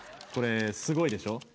これすごいでしょ。